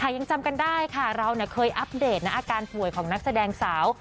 ยังจำกันได้ค่ะเราเคยอัปเดตอาการป่วยของนักแสดงสาว